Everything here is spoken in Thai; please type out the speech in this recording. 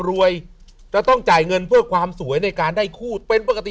จะต้องจ่ายเงินเพื่อความสวยในการได้คู่เป็นปกติ